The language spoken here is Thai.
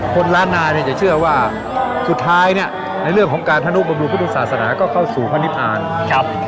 คนล้านนาเนี่ยจะเชื่อว่าสุดท้ายเนี่ยในเรื่องของการธนุบำรุงพุทธศาสนาก็เข้าสู่พนิษฐานครับ